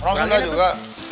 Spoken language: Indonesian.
orang sunda juga